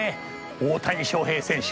大谷翔平選手